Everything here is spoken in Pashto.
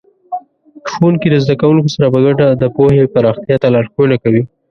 ښوونکي د زده کوونکو سره په ګډه د پوهې پراختیا ته لارښوونه کوي.